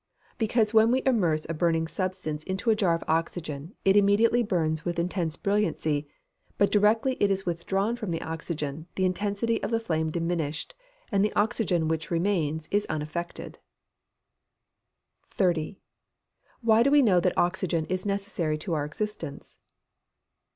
_ Because when we immerse a burning substance into a jar of oxygen, it immediately burns with intense brilliancy; but directly it is withdrawn from the oxygen, the intensity of the flame diminishes, and the oxygen which remains is unaffected. 30. _Why do we know that oxygen is necessary to our existence?